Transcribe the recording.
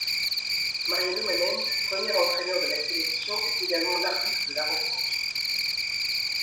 Mariano Manent, premier entraîneur de la sélection est également l'arbitre de la rencontre.